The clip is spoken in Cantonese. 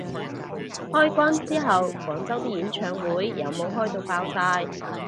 開關之後廣州啲演唱會有冇開到爆晒